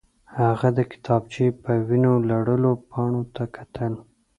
هغه د کتابچې په وینو لړلو پاڼو ته کتل